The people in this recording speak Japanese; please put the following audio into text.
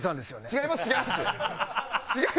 違います。